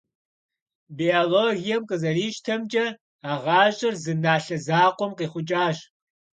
Биологием къызэрищтэмкӀэ, а гъащӀэр зы налъэ закъуэм къихъукӀащ.